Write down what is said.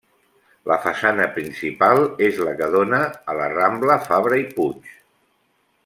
La façana principal és la que dóna a la Rambla Fabra i Puig.